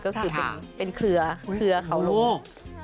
ก็คือเป็นเครือเครือเขาหลง